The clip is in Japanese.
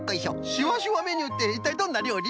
しわしわメニューっていったいどんなりょうり？